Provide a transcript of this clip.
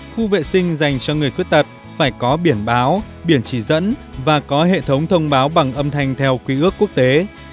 hai sáu ba tám khu vệ sinh dành cho người khuyết tật phải có biển báo biển chỉ dẫn và có hệ thống thông báo bằng âm thanh theo quý ước quốc tế